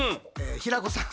平子さん。